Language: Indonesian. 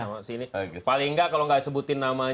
milih gak orangnya siapa